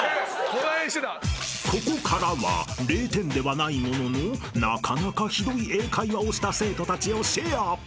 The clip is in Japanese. ［ここからは０点ではないもののなかなかひどい英会話をした生徒たちをシェア］